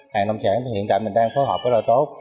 hàng nông sản thì hiện tại mình đang phối hợp rất là tốt